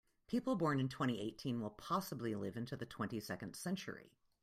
People born in twenty-eighteen will possibly live into the twenty-second century.